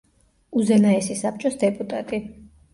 უზენაესი საბჭოს დეპუტატი.